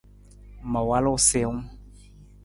Ma walu siwung.